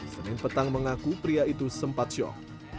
senin petang mengaku pria itu sempat syok